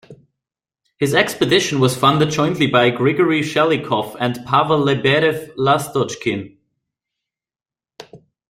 His expedition was funded jointly by Grigory Shelikhov and Pavel Lebedev-Lastochkin.